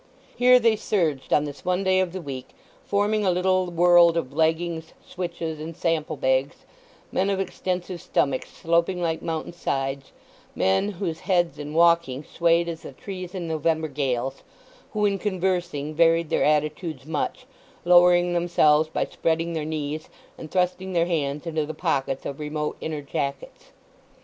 Here they surged on this one day of the week, forming a little world of leggings, switches, and sample bags; men of extensive stomachs, sloping like mountain sides; men whose heads in walking swayed as the trees in November gales; who in conversing varied their attitudes much, lowering themselves by spreading their knees, and thrusting their hands into the pockets of remote inner jackets.